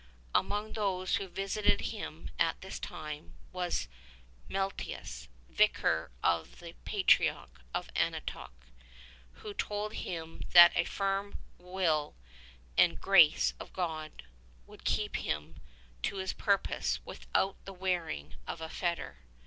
Among those who visited him at this time was Meletius, vicar of the Patriarch of Antioch, who told him that a firm will and the grace of God would keep him to his purpose without the wearing of a fetter.